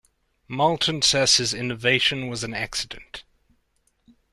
Moulton says his innovation was an accident.